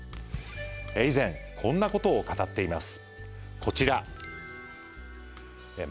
以前こんなことを語っています